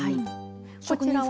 こちらは。